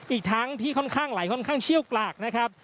อีกทั้งที่ค่อนข้างไหลค่อนข้างเชี่ยวกลากนะครับ